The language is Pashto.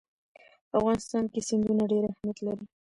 په افغانستان کې سیندونه ډېر اهمیت لري.